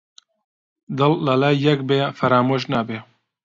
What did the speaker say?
دڵ لە لای یەک بێ فەرامۆش نابێ